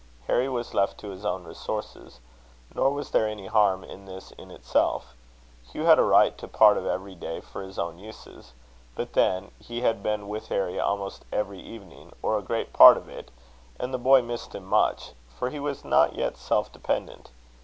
Harry was left to his own resources. Nor was there any harm in this in itself: Hugh had a right to part of every day for his own uses. But then, he had been with Harry almost every evening, or a great part of it, and the boy missed him much; for he was not yet self dependent.